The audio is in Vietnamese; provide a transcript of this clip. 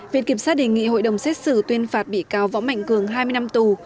viện kiểm sát đề nghị hội đồng xét xử tuyên phạt bị cáo võ mạnh cường hai mươi năm tù